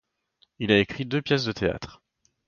Il a écrit deux pièces de théâtre.